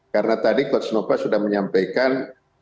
karena tadi coach nova sudah menyampaikan